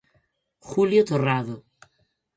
Julio Torrado.